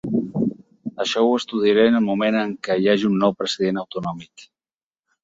Això ho estudiaré en el moment en què hi hagi un nou president autonòmic.